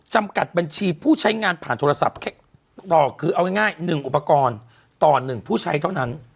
จำกัดบัญชีผู้ใช้งานผ่านโทรศัพท์ต่อคือเอาง่าย๑อุปกรณ์ต่อ๑ผู้ใช้เท่านั้น